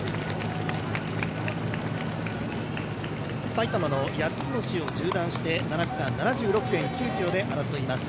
埼玉の８つの市を縦断して、７区間７６．９ｋｍで争います